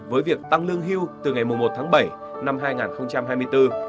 với việc tăng lương hưu từ ngày một tháng bảy năm hai nghìn hai mươi bốn